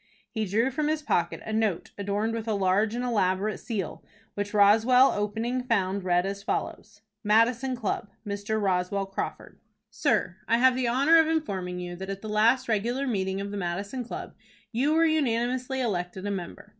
He drew from his pocket a note adorned with a large and elaborate seal, which Roswell, opening found read as follows: "MADISON CLUB. "Mr. ROSWELL CRAWFORD. "Sir: I have the honor of informing you that at the last regular meeting of the Madison Club you were unanimously elected a member.